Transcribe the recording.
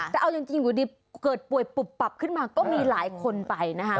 แต่เอาจริงโดยดีเจอปวดปุ่บปรับขึ้นมาก็มีหลายคนไปนะฮะ